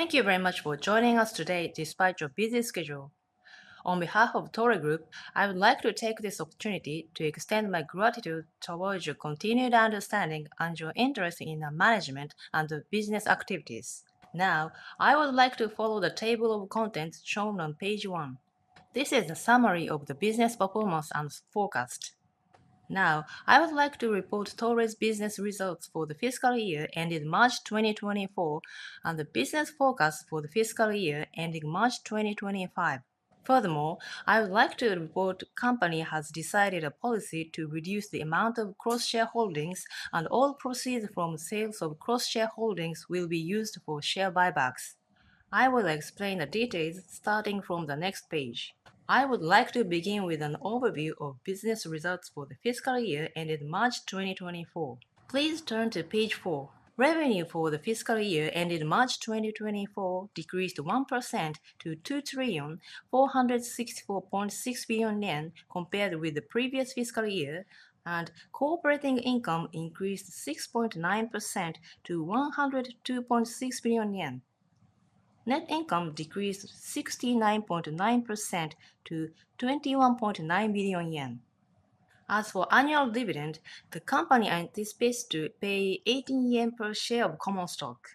Thank you very much for joining us today despite your busy schedule. On behalf of Toray Group, I would like to take this opportunity to extend my gratitude towards your continued understanding and your interest in management and business activities. Now, I would like to follow the table of contents shown on page one. This is a summary of the business performance and forecast. Now, I would like to report Toray's business results for the fiscal year ending March 2024 and the business forecast for the fiscal year ending March 2025. Furthermore, I would like to report the company has decided a policy to reduce the amount of cross-shareholdings and all proceeds from sales of cross-shareholdings will be used for share buybacks. I will explain the details starting from the next page. I would like to begin with an overview of business results for the fiscal year ending March 2024. Please turn to page 4. Revenue for the fiscal year ending March 2024 decreased 1% to 2,464.6 billion yen compared with the previous fiscal year, and Core Operating Income increased 6.9% to 102.6 billion yen. Net income decreased 69.9% to 21.9 billion yen. As for annual dividend, the company anticipates to pay 18 yen per share of common stock.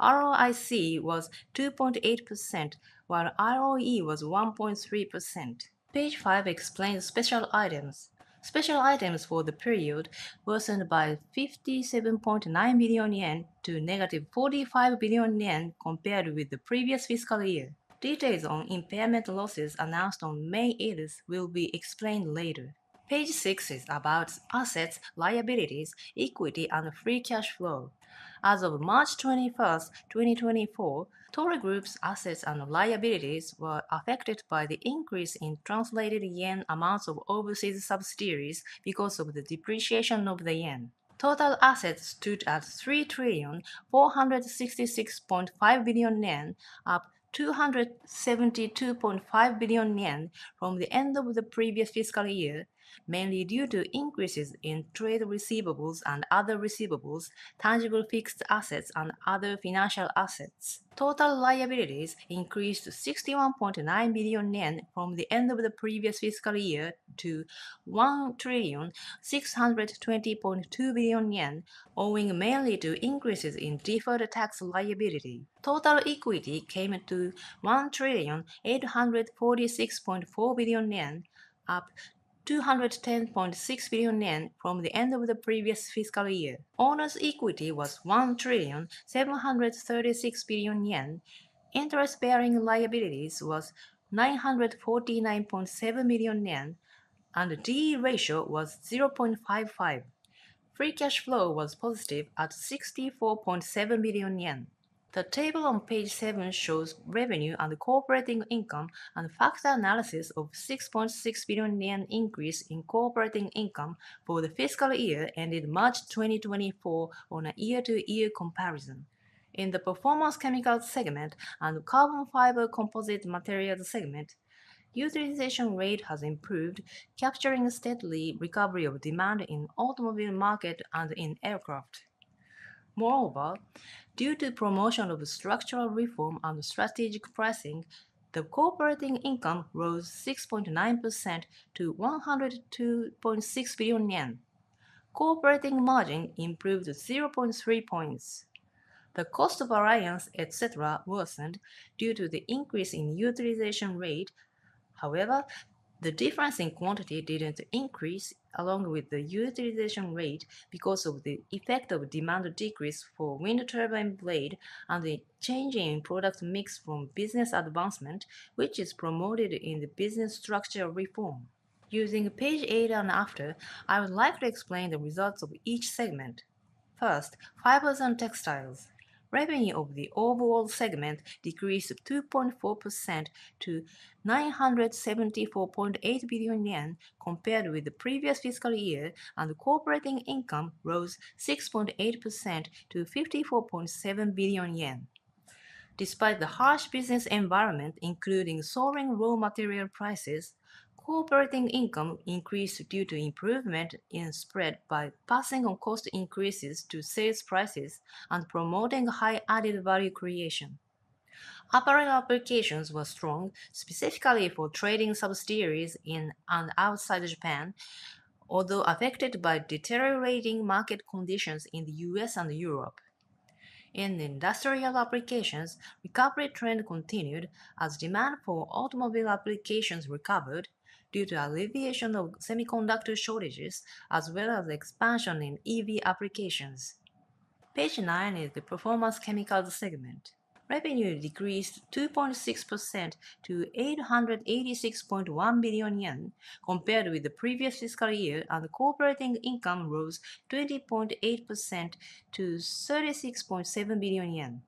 ROIC was 2.8% while ROE was 1.3%. Page 5 explains special items. Special items for the period worsened by 57.9 billion yen to -45 billion yen compared with the previous fiscal year. Details on impairment losses announced on May 8th will be explained later. Page 6 is about assets, liabilities, equity, and free cash flow. As of March 21, 2024, Toray Group's assets and liabilities were affected by the increase in translated yen amounts of overseas subsidiaries because of the depreciation of the yen. Total assets stood at 3,466.5 billion yen, up 272.5 billion yen from the end of the previous fiscal year, mainly due to increases in trade receivables and other receivables, tangible fixed assets, and other financial assets. Total liabilities increased 61.9 billion yen from the end of the previous fiscal year to 1,620.2 billion yen, owing mainly to increases in deferred tax liability. Total equity came to 1,846.4 billion yen, up 210.6 billion yen from the end of the previous fiscal year. Owner's equity was 1,736 billion yen, interest-bearing liabilities was 949.7 million yen, and the D/E ratio was 0.55. Free cash flow was positive at 64.7 million yen. The table on page 7 shows revenue and Core Operating Income and factor analysis of a 6.6 billion yen increase in Core Operating Income for the fiscal year ending March 2024 on a year-over-year comparison. In the performance chemicals segment and the carbon fiber composite materials segment, utilization rate has improved, capturing a steady recovery of demand in the automobile market and in aircraft. Moreover, due to promotion of structural reform and strategic pricing, the Core Operating Income rose 6.9% to 102.6 billion yen. Core Operating margin improved 0.3 points. The cost variance, etc., worsened due to the increase in utilization rate, however, the difference in quantity did not increase along with the utilization rate because of the effect of demand decrease for wind turbine blade and the change in product mix from business advancement, which is promoted in the business structure reform. Using page 8 and after, I would like to explain the results of each segment. First, fibers and textiles. Revenue of the overall segment decreased 2.4% to 974.8 billion yen compared with the previous fiscal year, and Core Operating Income rose 6.8% to 54.7 billion yen. Despite the harsh business environment, including soaring raw material prices, Core Operating Income increased due to improvement in spread by passing on cost increases to sales prices and promoting high added value creation. Upper-end applications were strong, specifically for trading subsidiaries in and outside Japan, although affected by deteriorating market conditions in the U.S. and Europe. In industrial applications, recovery trend continued as demand for automobile applications recovered due to alleviation of semiconductor shortages as well as expansion in EV applications. Page 9 is the performance chemicals segment. Revenue decreased 2.6% to 886.1 billion yen compared with the previous fiscal year, and Core Operating Income rose 20.8% to 36.7 billion yen.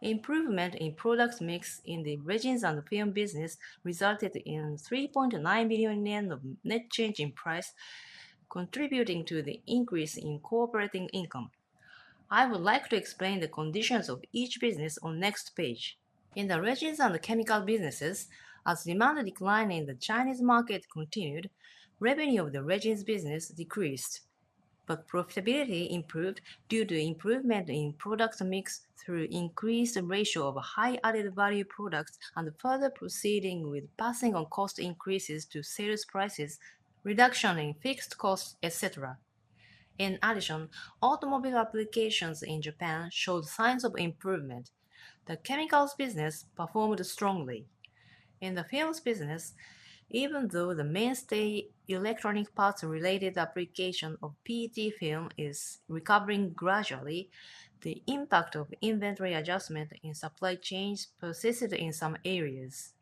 Improvement in product mix in the resins and film business resulted in 3.9 billion yen of net change in price, contributing to the increase in Core Operating Income. I would like to explain the conditions of each business on the next page. In the resins and chemical businesses, as demand decline in the Chinese market continued, revenue of the resins business decreased, but profitability improved due to improvement in product mix through increased ratio of high added value products and further proceeding with passing on cost increases to sales prices, reduction in fixed costs, etc. In addition, automobile applications in Japan showed signs of improvement. The chemicals business performed strongly. In the films business, even though the mainstay electronic parts-related application of PET film is recovering gradually, the impact of inventory adjustment in supply chains persisted in some areas.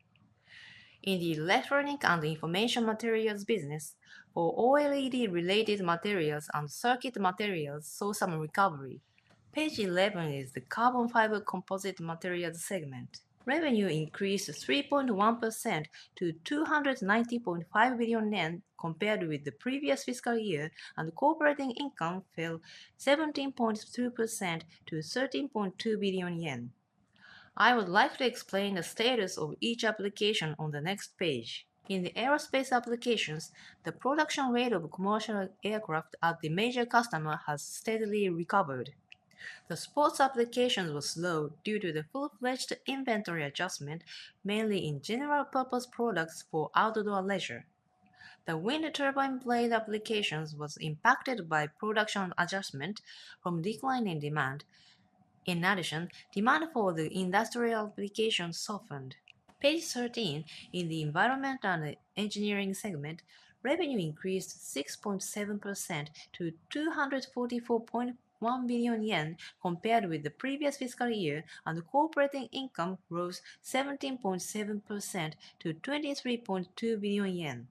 In the electronic and information materials business, OLED-related materials and circuit materials saw some recovery. Page 11 is the carbon fiber composite materials segment. Revenue increased 3.1% to 290.5 billion yen compared with the previous fiscal year, and Core Operating Income fell 17.3% to 13.2 billion yen. I would like to explain the status of each application on the next page. In the aerospace applications, the production rate of commercial aircraft as the major customer has steadily recovered. The sports applications were slow due to the full-fledged inventory adjustment, mainly in general-purpose products for outdoor leisure. The wind turbine blade applications were impacted by production adjustment from a decline in demand. In addition, demand for the industrial applications softened. Page 13, in the environment and engineering segment, revenue increased 6.7% to 244.1 billion yen compared with the previous fiscal year, and Core Operating Income rose 17.7% to 23.2 billion yen.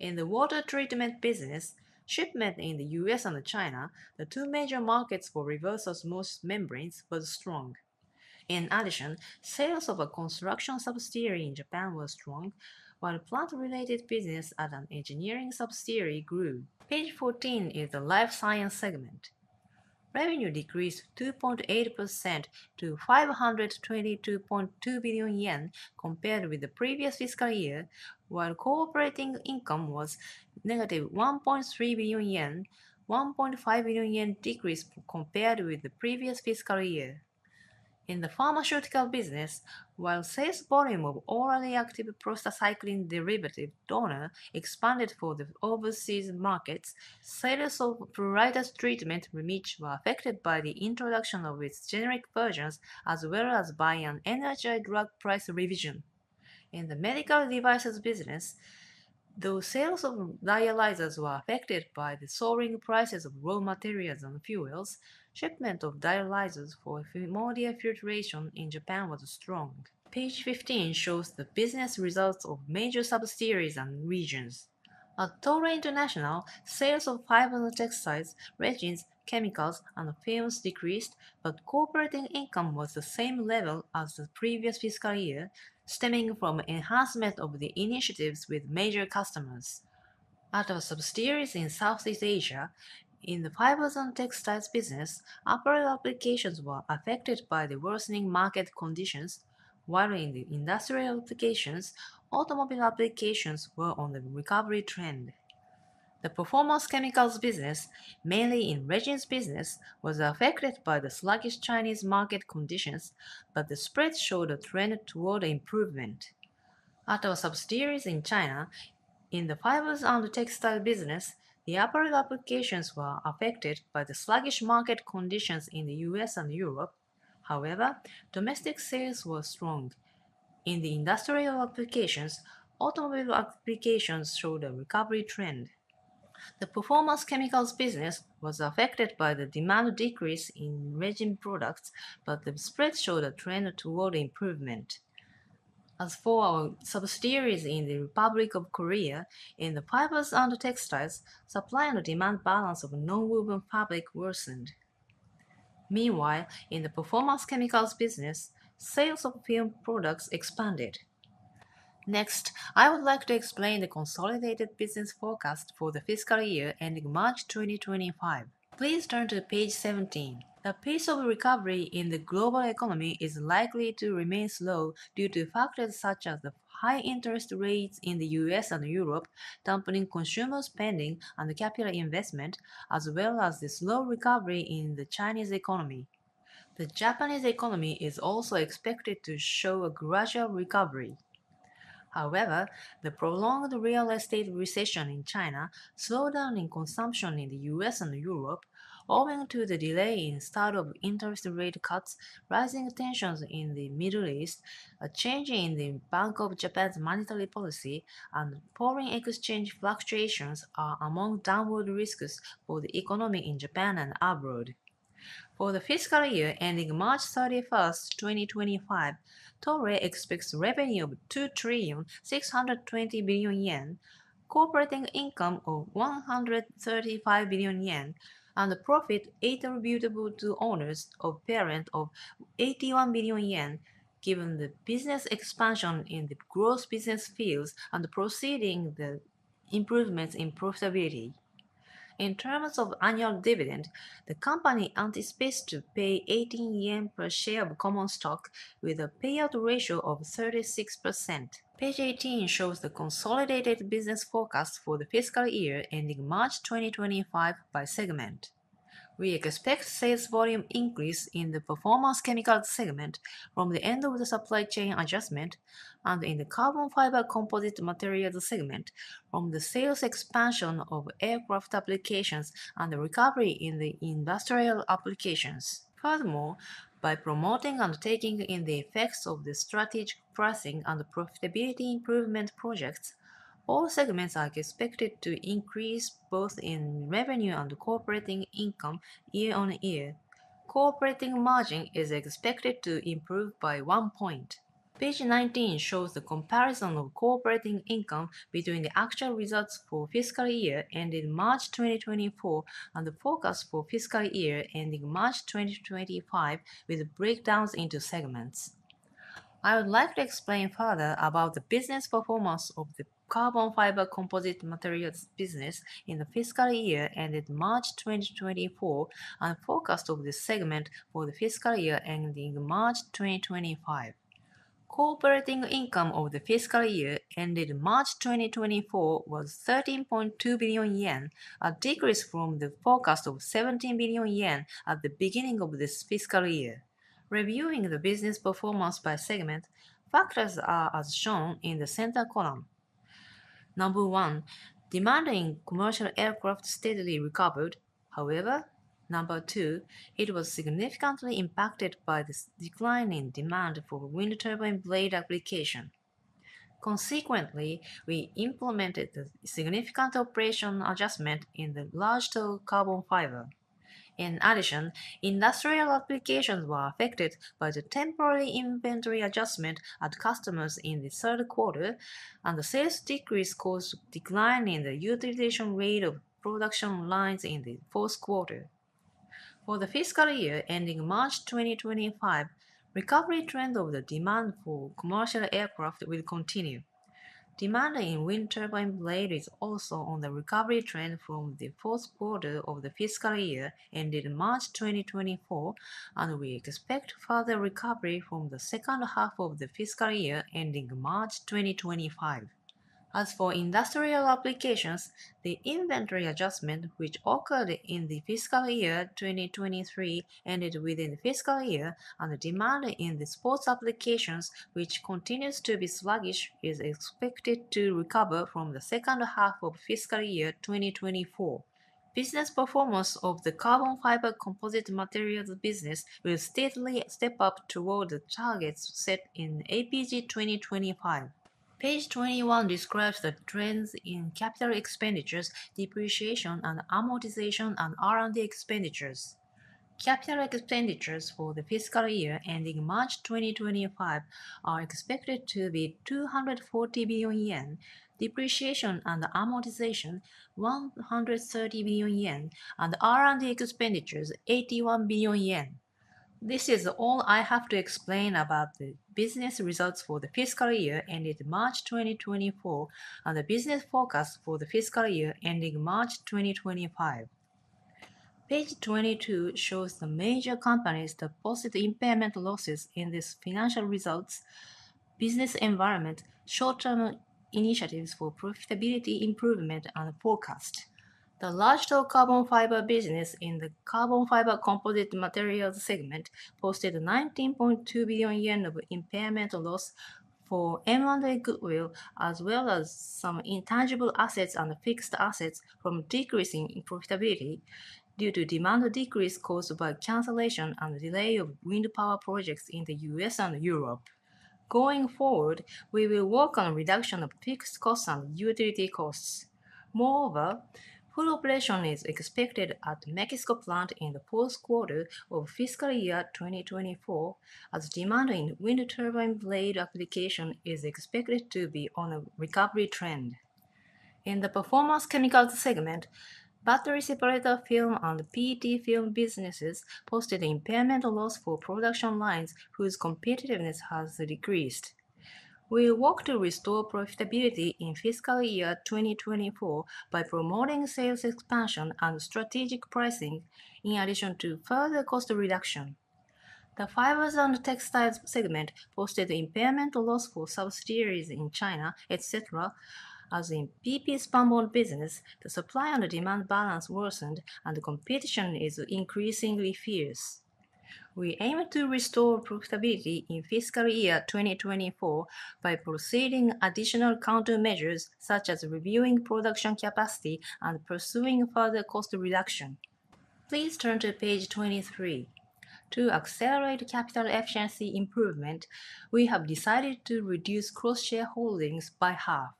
In the water treatment business, shipment in the U.S. and China, the two major markets for reverse osmosis membranes, were strong. In addition, sales of a construction subsidiary in Japan were strong, while plant-related business as an engineering subsidiary grew. Page 14 is the life science segment. Revenue decreased 2.8% to 522.2 billion yen compared with the previous fiscal year, while Core Operating Income was -1.3 billion yen, a 1.5 billion yen decrease compared with the previous fiscal year. In the pharmaceutical business, while sales volume of orally active prostacyclin derivative Dorner expanded for the overseas markets, sales of pruritus treatment Remitch were affected by the introduction of its generic versions as well as by an NHI drug price revision. In the medical devices business, though sales of dialyzers were affected by the soaring prices of raw materials and fuels, shipment of dialyzers for hemodiafiltration in Japan was strong. Page 15 shows the business results of major subsidiaries and regions. At Toray International, sales of fibers and textiles, resins chemicals, and films decreased, but Core Operating Income was the same level as the previous fiscal year, stemming from enhancement of the initiatives with major customers. As for subsidiaries in Southeast Asia, in the fibers and textiles business, upper-end applications were affected by the worsening market conditions, while in the industrial applications, automobile applications were on the recovery trend. The performance chemicals business, mainly in resins business, was affected by the sluggish Chinese market conditions, but the spread showed a trend toward improvement. As for subsidiaries in China, in the fibers and textiles business, the upper-end applications were affected by the sluggish market conditions in the U.S. and Europe. However, domestic sales were strong. In the industrial applications, automobile applications showed a recovery trend. The performance chemicals business was affected by the demand decrease in resins products, but the spread showed a trend toward improvement. As for our subsidiaries in the Republic of Korea, in the fibers and textiles, supply and demand balance of non-woven fabric worsened. Meanwhile, in the performance chemicals business, sales of film products expanded. Next, I would like to explain the consolidated business forecast for the fiscal year ending March 2025. Please turn to page 17. The pace of recovery in the global economy is likely to remain slow due to factors such as the high interest rates in the U.S. and Europe, dampening consumer spending and capital investment, as well as the slow recovery in the Chinese economy. The Japanese economy is also expected to show a gradual recovery. However, the prolonged real estate recession in China slowed down consumption in the U.S. and Europe, owing to the delay in the start of interest rate cuts, rising tensions in the Middle East, a change in the Bank of Japan's monetary policy, and foreign exchange fluctuations are among downward risks for the economy in Japan and abroad. For the fiscal year ending March 31, 2025, Toray expects revenue of 2,620 billion yen, Core Operating Income of 135 billion yen, and profit attributable to owners of parent of 81 billion yen, given the business expansion in the core business fields and proceeding the improvements in profitability. In terms of annual dividend, the company anticipates to pay 18 yen per share of common stock with a payout ratio of 36%. Page 18 shows the consolidated business forecast for the fiscal year ending March 2025 by segment. We expect sales volume increase in the performance chemicals segment from the end of the supply chain adjustment and in the carbon fiber composite materials segment from the sales expansion of aircraft applications and the recovery in the industrial applications. Furthermore, by promoting undertaking in the effects of the strategic pricing and profitability improvement projects, all segments are expected to increase both in revenue and Core Operating Income year-on-year. Core Operating Income margin is expected to improve by 1 point. Page 19 shows the comparison of Core Operating Income between the actual results for fiscal year ending March 2024 and the forecast for fiscal year ending March 2025 with breakdowns into segments. I would like to explain further about the business performance of the carbon fiber composite materials business in the fiscal year ending March 2024 and the forecast of this segment for the fiscal year ending March 2025. Core Operating Income of the fiscal year ending March 2024 was 13.2 billion yen, a decrease from the forecast of 17 billion yen at the beginning of this fiscal year. Reviewing the business performance by segment, factors are as shown in the center column. Number 1, demand in commercial aircraft steadily recovered. However, number 2, it was significantly impacted by the decline in demand for wind turbine blade application. Consequently, we implemented a significant operational adjustment in the large tow carbon fiber. In addition, industrial applications were affected by the temporary inventory adjustment at customers in the third quarter, and the sales decrease caused a decline in the utilization rate of production lines in the fourth quarter. For the fiscal year ending March 2025, the recovery trend of the demand for commercial aircraft will continue. Demand in wind turbine blade is also on the recovery trend from the fourth quarter of the fiscal year ending March 2024, and we expect further recovery from the second half of the fiscal year ending March 2025. As for industrial applications, the inventory adjustment, which occurred in the fiscal year 2023, ended within the fiscal year, and the demand in the sports applications, which continues to be sluggish, is expected to recover from the second half of fiscal year 2024. Business performance of the carbon fiber composite materials business will steadily step up toward the targets set in APG 2025. Page 21 describes the trends in capital expenditures, depreciation, amortization, and R&D expenditures. Capital expenditures for the fiscal year ending March 2025 are expected to be 240 billion yen, depreciation and amortization 130 billion yen, and R&D expenditures 81 billion yen. This is all I have to explain about the business results for the fiscal year ending March 2024 and the business forecast for the fiscal year ending March 2025. Page 22 shows the major companies that posted impairment losses in these financial results, business environment, short-term initiatives for profitability improvement, and forecast. The large tow carbon fiber business in the carbon fiber composite materials segment posted 19.2 billion yen of impairment loss for M&A goodwill, as well as some intangible assets and fixed assets from decreasing profitability due to demand decrease caused by cancellation and delay of wind power projects in the U.S. and Europe. Going forward, we will work on reduction of fixed costs and utility costs. Moreover, full operation is expected at the Mexico plant in the fourth quarter of fiscal year 2024, as demand in wind turbine blade application is expected to be on a recovery trend. In the performance chemicals segment, battery separator film and PET film businesses posted impairment loss for production lines whose competitiveness has decreased. We will work to restore profitability in fiscal year 2024 by promoting sales expansion and strategic pricing, in addition to further cost reduction. The fibers and textiles segment posted impairment loss for subsidiaries in China, etc., as in PP spunbond business, the supply and demand balance worsened and the competition is increasingly fierce. We aim to restore profitability in fiscal year 2024 by proceeding additional countermeasures such as reviewing production capacity and pursuing further cost reduction. Please turn to page 23. To accelerate capital efficiency improvement, we have decided to reduce cross-shareholdings by half.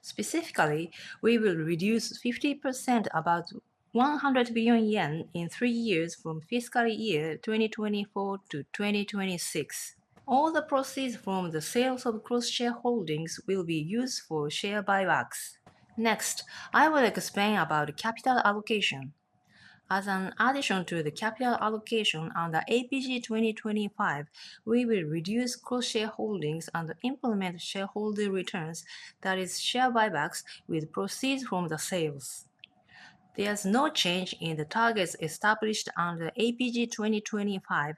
Specifically, we will reduce 50%, about 100 billion yen, in three years from fiscal year 2024 to 2026. All the proceeds from the sales of cross-shareholdings will be used for share buybacks. Next, I will explain about capital allocation. As an addition to the capital allocation under APG 2025, we will reduce cross-shareholdings and implement shareholder returns, that is, share buybacks, with proceeds from the sales. There is no change in the targets established under APG 2025,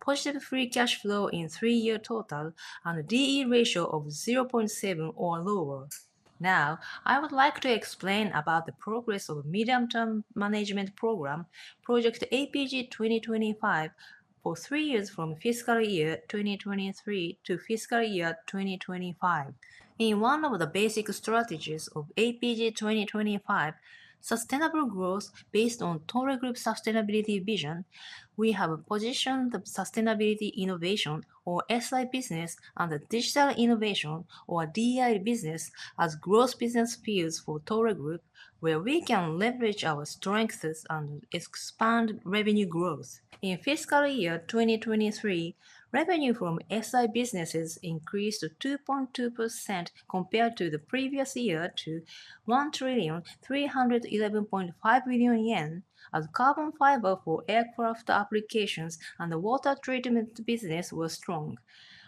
positive free cash flow in three-year total, and a D/E ratio of 0.7 or lower. Now, I would like to explain about the progress of the Medium-Term Management Program, Project APG 2025, for three years from fiscal year 2023 to fiscal year 2025. In one of the basic strategies of APG 2025, Sustainable Growth, based on Toray Group's sustainability vision, we have positioned the Sustainability Innovation, or SI business, and the Digital Innovation, or DI business, as growth business fields for Toray Group, where we can leverage our strengths and expand revenue growth. In fiscal year 2023, revenue from SI businesses increased 2.2% compared to the previous year to 1,311.5 billion yen, as carbon fiber for aircraft applications and the water treatment business were strong,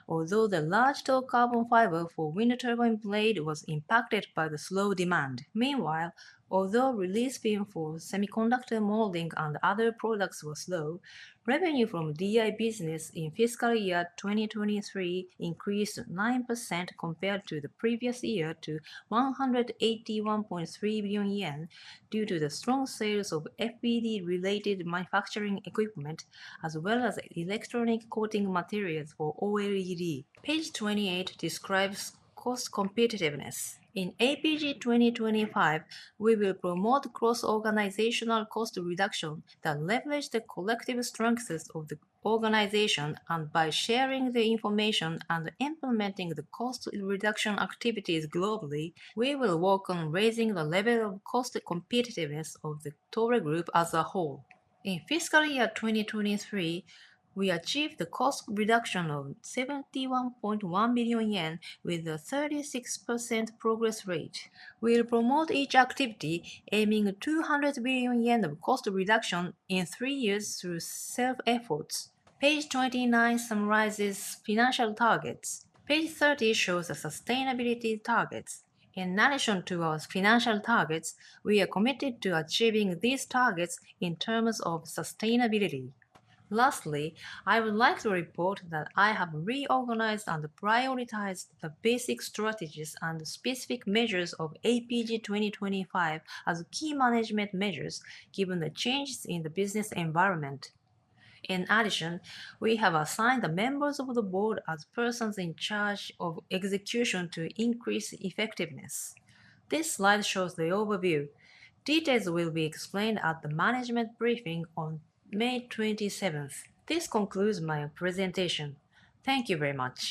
although the large tow carbon fiber for wind turbine blade was impacted by the slow demand. Meanwhile, although release films for semiconductor molding and other products were slow, revenue from DI business in fiscal year 2023 increased 9% compared to the previous year to 181.3 billion yen due to the strong sales of FPD-related manufacturing equipment, as well as electronic coating materials for OLED. Page 28 describes cost competitiveness. In APG 2025, we will promote cross-organizational cost reduction that leverages the collective strengths of the organization, and by sharing the information and implementing the cost reduction activities globally, we will work on raising the level of cost competitiveness of the Toray Group as a whole. In fiscal year 2023, we achieved a cost reduction of 71.1 billion yen with a 36% progress rate. We will promote each activity, aiming 200 billion yen of cost reduction in three years through self-efforts. Page 29 summarizes financial targets. Page 30 shows the sustainability targets. In addition to our financial targets, we are committed to achieving these targets in terms of sustainability. Lastly, I would like to report that I have reorganized and prioritized the basic strategies and specific measures of APG 2025 as key management measures, given the changes in the business environment. In addition, we have assigned the members of the board as persons in charge of execution to increase effectiveness. This slide shows the overview. Details will be explained at the management briefing on May 27th. This concludes my presentation. Thank you very much.